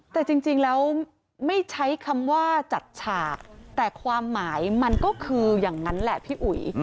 แต่จริงแล้วไม่ใช้คำว่าจัดฉากแต่ความหมายมันก็คืออย่างนั้นแหละพี่อุ๋ย